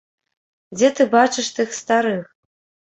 Дзе ты бачыш тых старых?